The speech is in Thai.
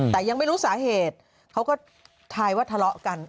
แต่ยังไม่รู้สาเหตุเขาก็ทายว่าทะเลาะกัน